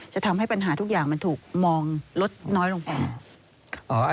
จะทำให้ปัญหาทุกอย่างมันถูกมองลดน้อยลงไป